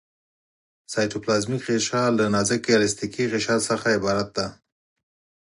سایټوپلازمیک غشا له نازکې الستیکي غشا څخه عبارت ده.